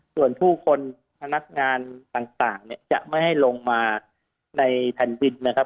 ส่วนผู้คนพนักงานต่างเนี่ยจะไม่ให้ลงมาในแผ่นดินนะครับ